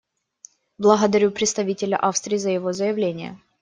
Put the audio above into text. Благодарю представителя Австрии за его заявление.